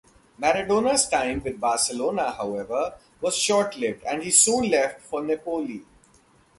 Maradona's time with Barcelona, however, was short-lived and he soon left for Napoli.